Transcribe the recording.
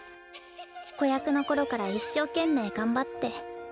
子役の頃から一生懸命頑張って。